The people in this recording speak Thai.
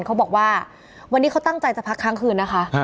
เขาบอกว่าวันนี้เขาตั้งใจจะพักค้างคืนนะคะ